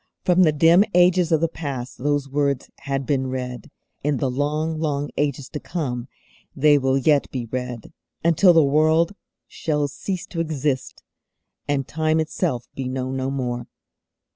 From the dim ages of the past those words had been read; in the long, long ages to come they will yet be read, until the World shall cease to exist, and time itself be known no more.